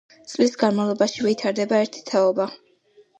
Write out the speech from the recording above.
წლის განმავლობაში ვითარდება ერთი თაობა.